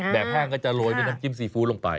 แห้งก็จะโรยด้วยน้ำจิ้มซีฟู้ดลงไป